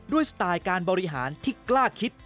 สไตล์การบริหารที่กล้าคิด